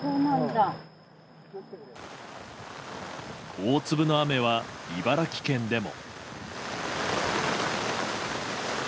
大粒の雨は、茨城県でも。